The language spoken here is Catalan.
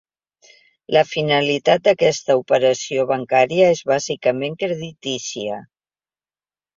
La finalitat d'aquesta operació bancària és bàsicament creditícia.